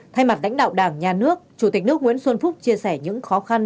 thay mặt lãnh đạo đảng nhà nước chủ tịch nước nguyễn xuân phúc chia sẻ những khó khăn